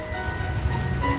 maaf kenapa kamu kesini terus